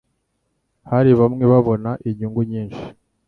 Hari bamwe babona inyungu nyinshi